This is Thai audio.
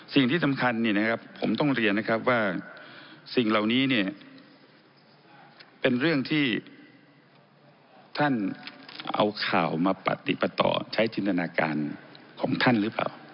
สิ่งที่สำคัญผมต้องเรียนนะครับว่าสิ่งเหล่านี้เนี่ยเป็นเรื่องที่ท่านเอาข่าวมาปฏิปต่อใช้จินตนาการของท่านหรือเปล่า